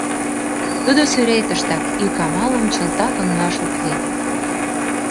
Тудо сӱретыштак ик амалым чылтак ыҥлаш ок лий.